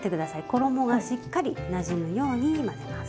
衣がしっかりなじむように混ぜます。